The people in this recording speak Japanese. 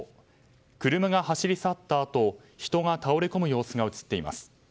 車が走り去ったあと人が倒れこむ様子が映っています。